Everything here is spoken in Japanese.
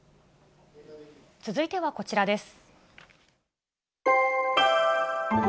続いてはこちらです。